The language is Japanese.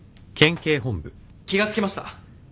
気が付きました。